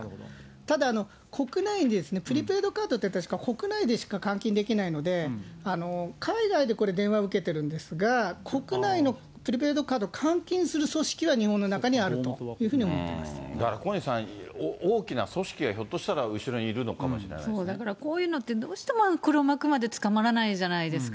ただ、国内で、プリペイドカードって確か、国内でしか換金できないので、海外でこれ、電話受けてるんですが、国内のプリペイドカードを換金する組織は、日本の中にあるというだから小西さん、大きな組織がひょっとしたら後ろにいるのかもそう、だからこういうのって、どうしても黒幕まで捕まらないじゃないですか。